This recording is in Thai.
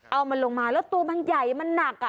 เอามันลงมาแล้วตัวมันใหญ่มันหนัก